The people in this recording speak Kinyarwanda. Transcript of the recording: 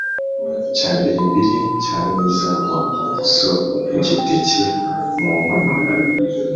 Cya mbirimbiriri cya mwiza wa so-Igiteke mu nkono.